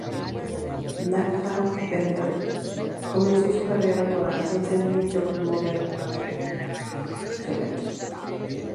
Nadja Bender comenzó su carrera con la agencia New York Model Management.